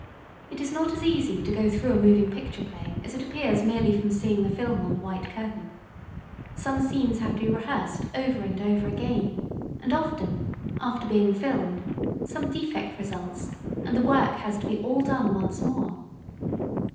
It is not as easy to go through a moving picture play as it appears merely from seeing the film on the white curtain. Some scenes have to be rehearsed over and over again, and often, after being filmed, some defect results and the work has to be all done once more.